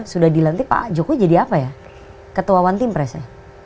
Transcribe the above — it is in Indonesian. sudah dilantik pak jokowi jadi apa ya ketua one team press ya